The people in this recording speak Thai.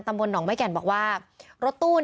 มีคนเสียชีวิตคุณ